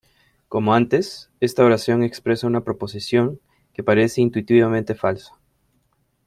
Como antes, esta oración expresa una proposición que parece intuitivamente falsa.